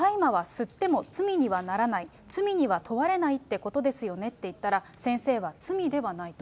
大麻は吸っても罪にはならない、罪には問われないってことですよねって言ったら、先生は罪ではないと。